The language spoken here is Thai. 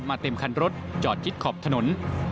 เต็มคันรถจอดชิดขอบถนน